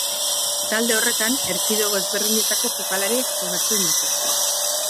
Talde horretan erkidego ezberdinetako jokalariek jokatzen dute.